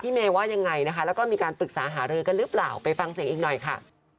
เมย์ว่ายังไงนะคะแล้วก็มีการปรึกษาหารือกันหรือเปล่าไปฟังเสียงอีกหน่อยค่ะ